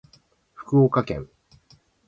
福岡県